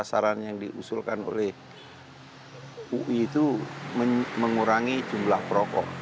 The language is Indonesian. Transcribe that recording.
jadi memang sasaran yang diusulkan oleh ui itu mengurangi jumlah perokok